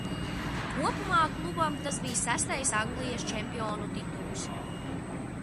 Kopumā klubam tas bija sestais Anglijas čempionu tituls.